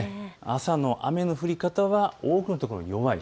朝の雨の降り方は多くの所、弱い。